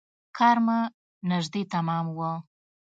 کار مې نژدې تمام و.